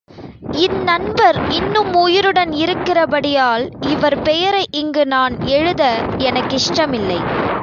இந்நண்பர் இன்னும் உயிருடன் இருக்கிறபடியால் இவர் பெயரை இங்கு நான் எழுத எனக்கிஷ்டமில்லை.